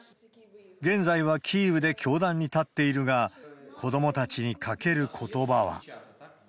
現在はキーウで教壇に立っているが、子どもたちにかけることばは。